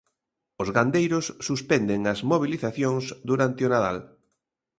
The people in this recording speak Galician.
Os gandeiros suspenden as mobilizacións durante o Nadal.